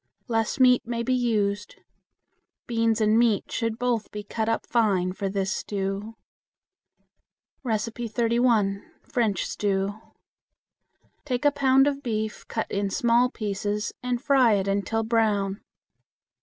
Less meat may be used. Beans and meat should both be cut up fine for this stew. 31. French Stew. Take a pound of beef cut in small pieces and fry it until brown.